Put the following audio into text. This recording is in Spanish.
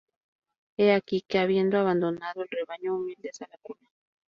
He aquí que, habiendo abandonado el rebaño, humildes a la cuna.